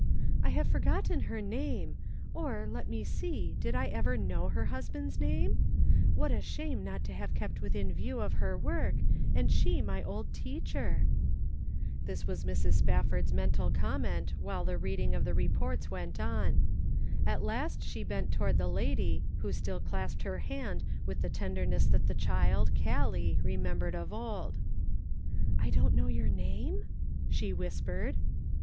"I have forgotten her name ; or, let me see, did I ever know her husband's name ? What a shame not to have kept within view of her work, arid she my old teacher !" This was Mrs. Spafford's mental comment while the reading of the re ports went on. At last she bent toward the lady, who still clasped her hand with the ten derness that the child, Gallic, remembered of old. " I don't know your name ?" she whispered.